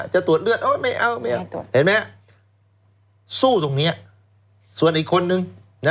จะตรวจเลือดไม่เอาไม่เอาตรวจเห็นไหมสู้ตรงนี้ส่วนอีกคนนึง